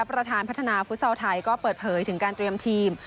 ประธานพัฒนาฟุตซอลไทยก็เปิดเผยถึงการเตรียมทีม